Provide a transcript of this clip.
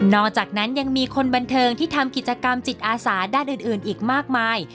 อกจากนั้นยังมีคนบันเทิงที่ทำกิจกรรมจิตอาสาด้านอื่นอีกมากมาย